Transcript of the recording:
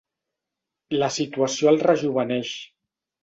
La situació el rejoveneix.